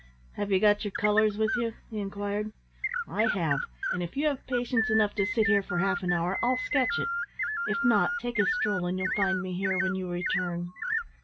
"Have you got your colours with you?" he inquired. "I have; and if you have patience enough to sit here for half an hour I'll sketch it. If not, take a stroll, and you'll find me here when you return."